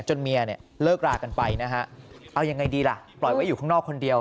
เมียเนี่ยเลิกรากันไปนะฮะเอายังไงดีล่ะปล่อยไว้อยู่ข้างนอกคนเดียว